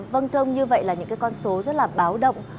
vâng thưa ông như vậy là những cái con số rất là báo động